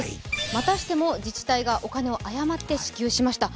またしても自治体がお金を誤って支給しました。